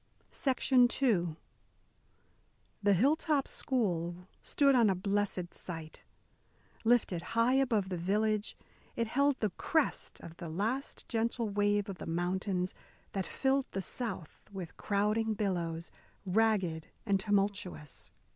II The Hilltop School stood on a blessed site. Lifted high above the village, it held the crest of the last gentle wave of the mountains that filled the south with crowding billows, ragged and tumultuous.